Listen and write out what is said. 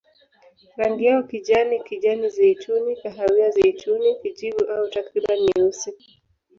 Rangi yao kijani, kijani-zeituni, kahawia-zeituni, kijivu au takriban nyeusi.